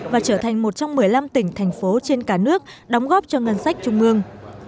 và trở thành một trong một mươi năm tỉnh thành phố trên cả nước đóng góp cho ngân sách trung ương